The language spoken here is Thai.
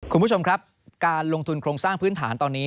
คุณผู้ชมครับการลงทุนโครงสร้างพื้นฐานตอนนี้